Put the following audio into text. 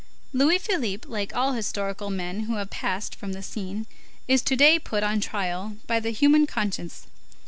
Louis Philippe, like all historical men who have passed from the scene, is to day put on his trial by the human conscience.